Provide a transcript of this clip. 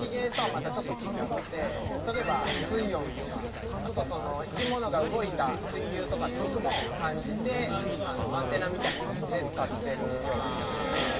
例えば水温とかあと生き物が動いた水流とかっていうのも感じてアンテナみたいにして使ってるようですね。